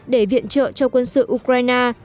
để viện trợ cho quân sự ukraine